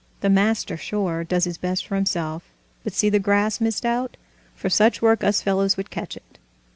The master, sure, does his best for himself! But see the grass missed out! For such work us fellows would catch it!"